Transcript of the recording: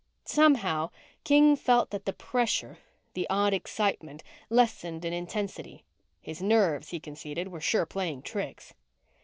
Somehow King felt that the pressure, the odd excitement, lessened in intensity. His nerves, he conceded, were sure playing tricks.